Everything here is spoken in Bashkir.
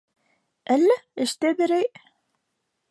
- Әллә эштә берәй...